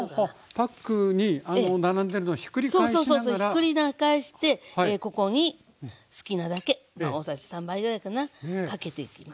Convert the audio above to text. ひっくり返してここに好きなだけ大さじ３杯ぐらいかなかけていきますね。